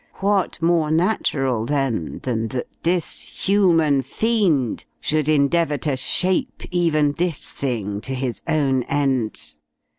What more natural, then, than that this human fiend should endeavour to shape even this thing to his own ends?